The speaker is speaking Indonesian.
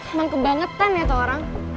emang kebangetan ya tuh orang